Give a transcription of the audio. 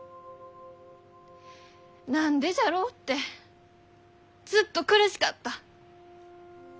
何でじゃろうってずっと苦しかった。